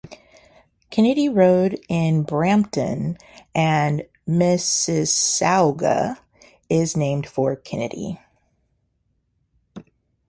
Kennedy Road in Brampton and Mississauga is named for Kennedy.